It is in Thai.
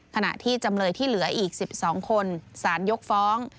ขณะที่จำเลยที่เหลืออีก๑๒คนสารยกฟ้อง